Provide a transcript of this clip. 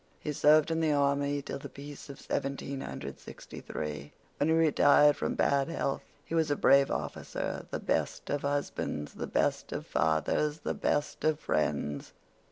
He served in the army till the peace of 1763, when he retired from bad health. He was a brave officer, the best of husbands, the best of fathers, the best of friends.